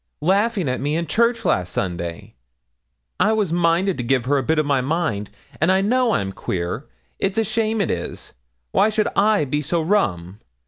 laughing at me in church last Sunday. I was minded to give her a bit of my mind. An' I know I'm queer. It's a shame, it is. Why should I be so rum?